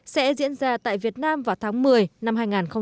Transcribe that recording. sẽ diễn ra tại việt nam vào tháng một mươi năm hai nghìn hai mươi